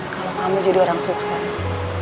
kalau kamu jadi orang sukses